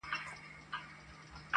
دکرنتین درخصتی څخه په استفاده!.